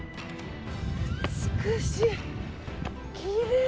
美しい。